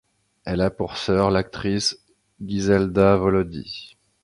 Elle a pour sœur l'actrice Giselda Volodi.